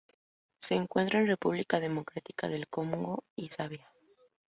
Se encuentra en República Democrática del Congo y Zambia.